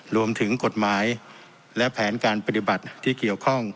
รวมถึงกฎหมายและแผนการปฏิบัติที่เกี่ยวข้อง